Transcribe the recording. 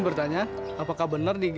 mau jadi sekretaris